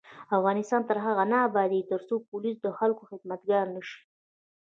افغانستان تر هغو نه ابادیږي، ترڅو پولیس د خلکو خدمتګار نشي.